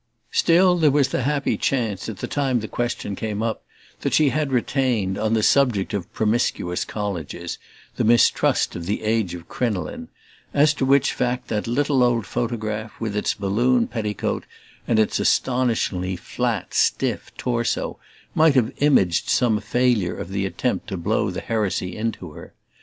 Still, there was the happy chance, at the time the question came up, that she had retained, on the subject of promiscuous colleges, the mistrust of the age of crinoline: as to which in fact that little old photograph, with its balloon petticoat and its astonishingly flat, stiff "torso," might have imaged some failure of the attempt to blow the heresy into her.